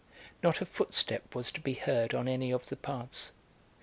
Not a footstep was to be heard on any of the paths.